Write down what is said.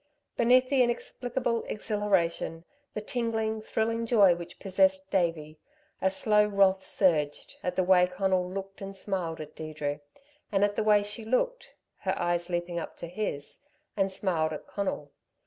Beneath the inexplicable exhilaration, the tingling, thrilling joy which possessed Davey, a slow wrath surged, at the way Conal looked and smiled at Deirdre, and at the way she looked her eyes leaping up to his and smiled at Conal.